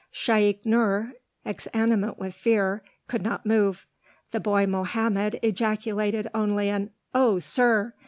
Shaykh Nur, exanimate with fear, could not move. The boy Mohammed ejaculated only an "Oh, sir!"